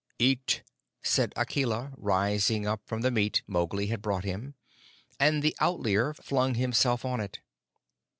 "Eat," said Akela, rising up from the meat Mowgli had brought him, and the Outlier flung himself on it.